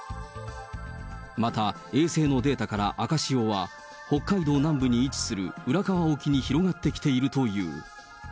また衛星のデータから、赤潮は北海道南部に位置する、浦河沖に広がってきているという。